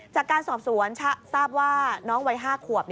จากการสอบสวนทราบว่าน้องวัย๕ขวบ